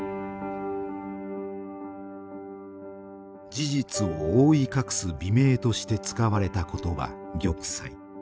事実を覆い隠す美名として使われた言葉玉砕。